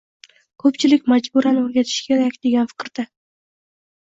Ko‘pchilik “majbu¬ran o‘rgatish kerak”, degan fikrda.